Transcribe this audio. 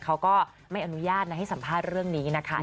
เขาก็ไม่อนุญาตให้สัมภาษณ์เรื่องนี้นะคะ